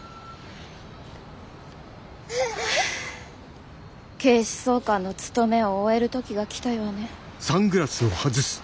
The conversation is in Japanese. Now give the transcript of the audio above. ああ警視総監の務めを終える時が来たようね。